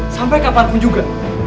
sampai kapan pun juga